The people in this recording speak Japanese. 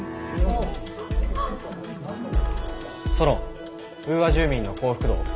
ソロンウーア住民の幸福度を。